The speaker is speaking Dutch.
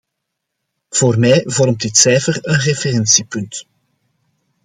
Voor mij vormt dit cijfer een referentiepunt.